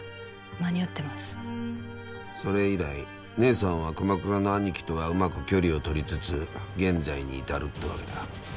間に合っそれ以来姐さんは熊倉のアニキとはうまく距離を取りつつ現在に至るってわけだ。